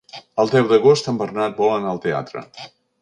El deu d'agost en Bernat vol anar al teatre.